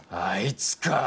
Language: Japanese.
あいつか！